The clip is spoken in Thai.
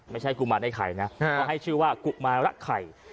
ไม่ใช่กุมารได้ไข่นะพอให้ชื่อว่ากุมารักไข่